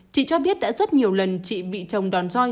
chị cho biết đã rất nhiều lần chị bị chồng đòn roi